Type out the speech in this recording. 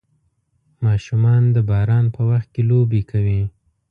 ماشومان د باران په وخت کې لوبې کوي.